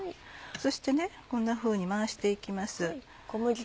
そしてこんなふうに回して行きます。